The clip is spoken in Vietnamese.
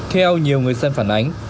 theo nhiều người xem phản ánh